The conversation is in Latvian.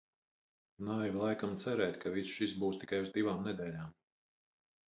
Naivi laikam cerēt, ka viss šis būs tikai uz divām nedēļām...